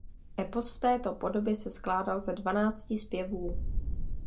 Epos v této podobě se skládal ze dvanácti zpěvů.